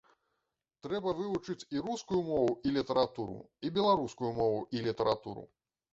Трэба вывучыць і рускую мову і літаратуру, і беларускую мову і літаратуру.